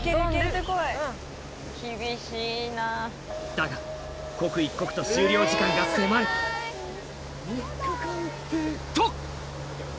だが刻一刻と終了時間が迫ると！